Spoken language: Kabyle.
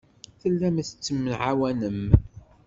Tellam tettemɛawanem.